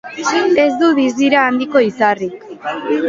Ez du distira handiko izarrik.